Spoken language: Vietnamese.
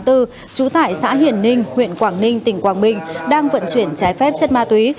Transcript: trú tại xã hiển ninh huyện quảng ninh tỉnh quảng bình đang vận chuyển trái phép chất ma túy